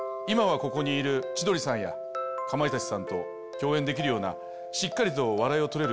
ここにいる千鳥さんやかまいたちさんと共演できるようなしっかりと笑いを取れる